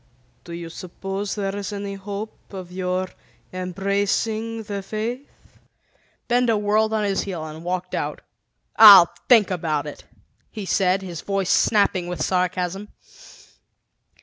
"Do you suppose there is any hope of your embracing the Faith?" Benda whirled on his heel and walked out. "I'll think about it!" he said, his voice snapping with sarcasm.